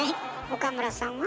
岡村さんは？